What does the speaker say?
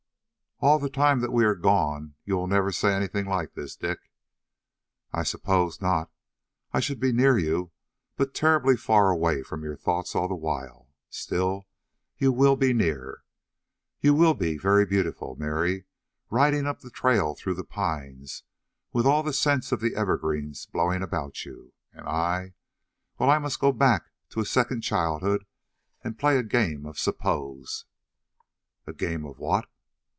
"All the time that we are gone, you will never say things like this, Dick?" "I suppose not. I should be near you, but terribly far away from your thoughts all the while. Still, you will be near. You will be very beautiful, Mary, riding up the trail through the pines, with all the scents of the evergreens blowing about you, and I well, I must go back to a second childhood and play a game of suppose " "A game of what?"